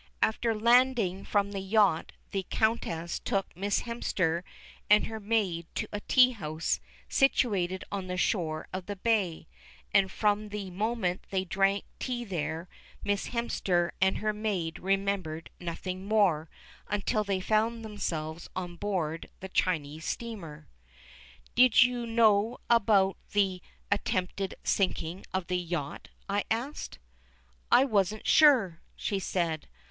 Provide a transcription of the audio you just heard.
After landing from the yacht the Countess took Miss Hemster and her maid to a tea house situated on the shore of the bay, and from the moment they drank tea there, Miss Hemster and her maid remembered nothing more until they found themselves on board the Chinese steamer. "Did you know about the attempted sinking of the yacht?" I asked. "I wasn't sure," she said.